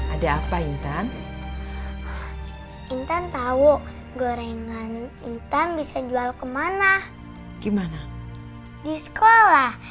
ada apa intan intan tahu gorengan intan bisa jual kemana gimana di sekolah